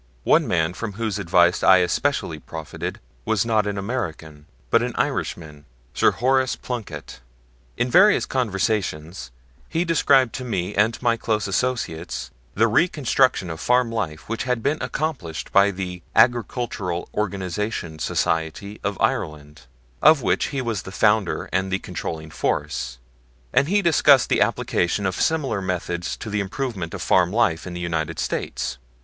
One man from whose advice I especially profited was not an American, but an Irishman, Sir Horace Plunkett. In various conversations he described to me and my close associates the reconstruction of farm life which had been accomplished by the Agricultural Organization Society of Ireland, of which he was the founder and the controlling force; and he discussed the application of similar methods to the improvements of farm life in the United States.